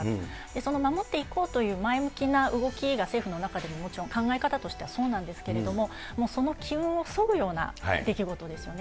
その守っていこうという前向きな動きが政府の中でももちろん、考え方としてはそうなんですけれども、その機運をそぐような出来事ですよね。